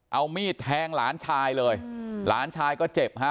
เอามีดแทงหลานชายเลยหลานชายก็เจ็บฮะ